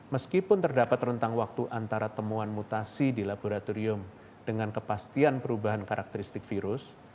meskipun terdapat rentang waktu antara temuan mutasi di laboratorium dengan kepastian perubahan karakteristik virus